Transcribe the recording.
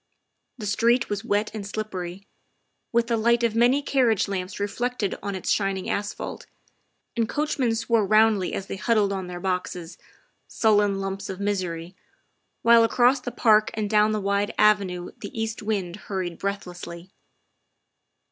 The street was wet and slippery, with the light of many carriage lamps reflected on its shining asphalt, and coachmen swore roundly as they huddled on their boxes, sullen lumps of misery, while across the park and down the wide avenue the east wind hurried breathlessly.